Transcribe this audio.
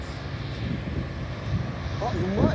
あっうまい！